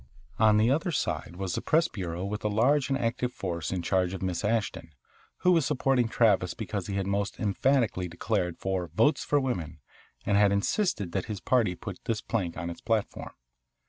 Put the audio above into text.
On the other side was the press bureau with a large and active force in charge of Miss Ashton, who was supporting Travis because he had most emphatically declared for "Votes for Women" and had insisted that his party put this plank in its platform.